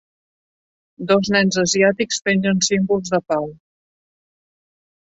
Dos nens asiàtics pengen símbols de pau